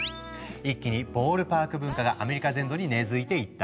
一気にボールパーク文化がアメリカ全土に根づいていった。